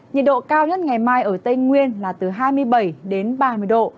nhiệt độ cao nhất ngày mai ở tây nguyên là từ hai mươi bảy đến ba mươi độ